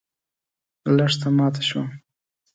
لښته ماته شوه.